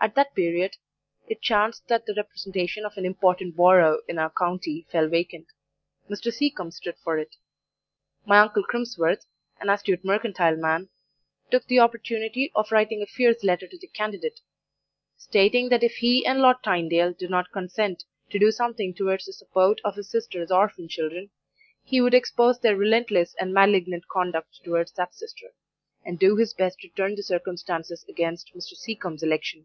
At that period it chanced that the representation of an important borough in our county fell vacant; Mr. Seacombe stood for it. My uncle Crimsworth, an astute mercantile man, took the opportunity of writing a fierce letter to the candidate, stating that if he and Lord Tynedale did not consent to do something towards the support of their sister's orphan children, he would expose their relentless and malignant conduct towards that sister, and do his best to turn the circumstances against Mr. Seacombe's election.